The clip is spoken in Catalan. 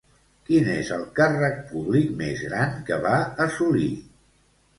Quin és el càrrec públic més gran que va assolir?